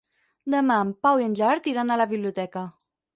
Demà en Pau i en Gerard iran a la biblioteca.